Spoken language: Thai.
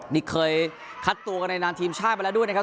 นี่เคยคัดตัวกันในนามทีมชาติมาแล้วด้วยนะครับ